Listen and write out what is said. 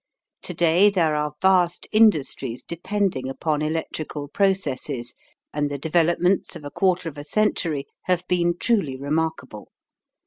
To day there are vast industries depending upon electrical processes and the developments of a quarter of a century have been truly remarkable.